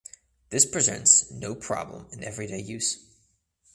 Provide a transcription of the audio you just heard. This presents no problem in everyday use.